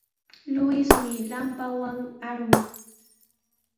Luismi lampawan arun.